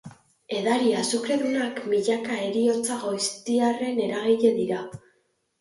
Edari azukredunak, milaka heriotza goiztiarren eragile dira.